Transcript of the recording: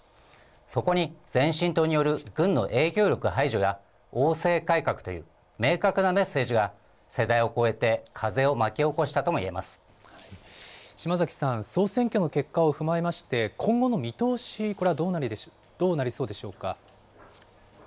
そこに前進党による軍の影響力排除や、王制改革という明確なメッセージが、世代を超えて風を巻き起こし島崎さん、総選挙の結果を踏まえまして、今後の見通し、これはどうなりそうでしょうか。